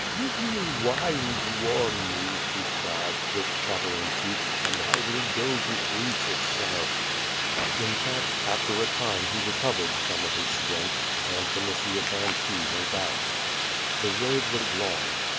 "Give me wine to warm me," he cried, with chattering tectli, "and I will go to Greece itself." In fact, after a time he recovered some of his strength, and Yinitius and he went out. Tlie road was long.